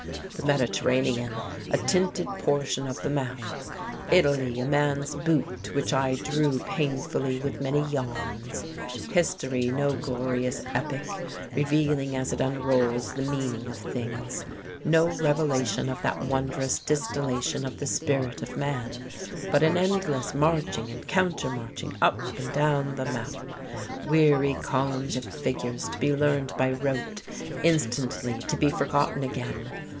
The Mediterranean a tinted portion of the map, Italy a man's boot which I drew painfully, with many yawns; history no glorious epic revealing as it unrolls the Meaning of Things, no revelation of that wondrous distillation of the Spirit of man, but an endless marching and counter marching up and down the map, weary columns of figures to be learned by rote instantly to be forgotten again.